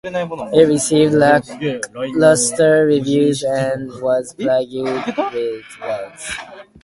It received lackluster reviews and was plagued with bugs.